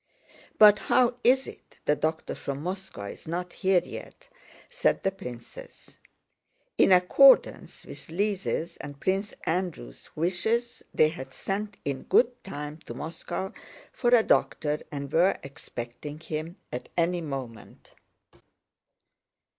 "But how is it the doctor from Moscow is not here yet?" said the princess. (In accordance with Lise's and Prince Andrew's wishes they had sent in good time to Moscow for a doctor and were expecting him at any moment.)